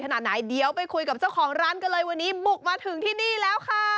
ขนาดไหนเดี๋ยวไปคุยกับเจ้าของร้านกันเลยวันนี้บุกมาถึงที่นี่แล้วค่ะ